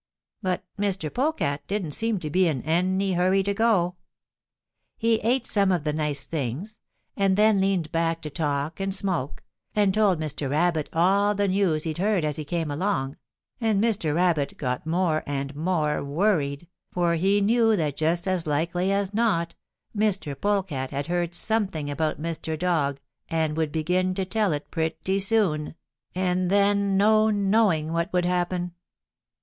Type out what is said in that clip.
"But Mr. Polecat didn't seem to be in any hurry to go. He ate some of the nice things, and then leaned back to talk and smoke, and told Mr. Rabbit all the news he'd heard as he came along, and Mr. Rabbit got more and more worried, for he knew that just as likely as not Mr. Polecat had heard something about Mr. Dog and would begin to tell it pretty soon, and then no knowing what would happen.